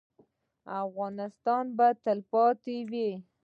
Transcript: افغانستان به تلپاتې وي